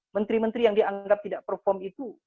menteri menteri yang dianggap tidak perform itu